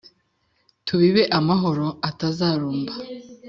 Tubibe amahoro atazarumba